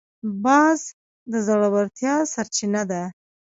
باز د زړورتیا سرچینه ده